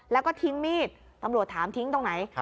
แล้วก็ทิ้งมีดตำรวจถามทิ้งตรงไหน